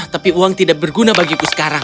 tapi uang tidak berguna bagiku sekarang